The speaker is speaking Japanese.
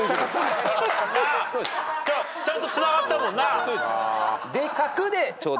ちゃんとつながったもんな。